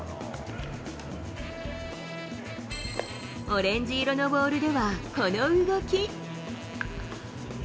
オレンジ色のボールではこの動き。